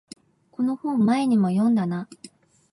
この本前にも読んだな